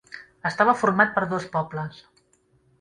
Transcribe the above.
Estava format per dos pobles.